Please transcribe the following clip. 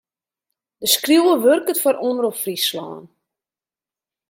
De skriuwer wurket foar Omrop Fryslân.